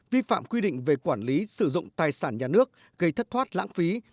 vi phạm quy định về quản lý sử dụng tài sản nhà nước gây thất thoát lãng phí